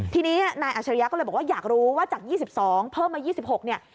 ทีนี้นายอัชริยะก็เลยบอกว่าอยากรู้ว่าจาก๒๒เพิ่มมา๒๖เนี่ย